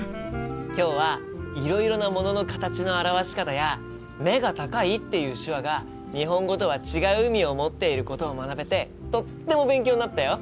今日はいろいろなものの形の表し方や「目が高い」っていう手話が日本語とは違う意味を持っていることを学べてとっても勉強になったよ！